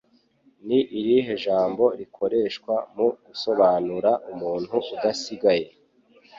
Ni irihe jambo rikoreshwa mu gusobanura umuntu udasigaye